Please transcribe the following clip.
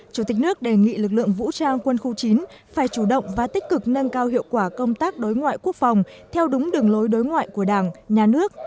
chủ tịch nước đề nghị lực lượng vũ trang quân khu chín phải chủ động và tích cực nâng cao hiệu quả công tác đối ngoại quốc phòng theo đúng đường lối đối ngoại của đảng nhà nước